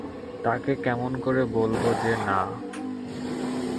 তাঁকে কেমন করে বলব যে, না।